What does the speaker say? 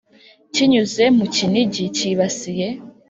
kinyuze mu Kinigi kibasiye